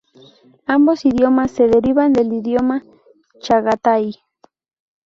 Ambos idiomas se derivan del idioma chagatai.